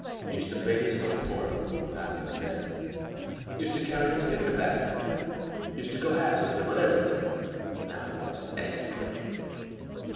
"Used to bait his hook for him," Adam was saying. "Used to carry him pick a back! Used to go halves with him on everything. Now he walks with Ed Green!"